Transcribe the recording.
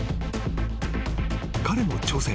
［彼の挑戦。